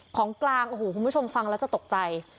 ของกลางโอ้โหคุณผู้ชมฟังแล้วจะตกใจ